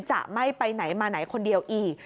จะไม่ไปไหนมาไหนคนเดียวอีก